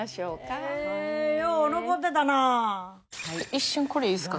一瞬これいいですか？